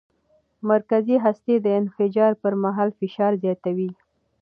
مرکزي هستي د انفجار پر مهال فشار زیاتوي.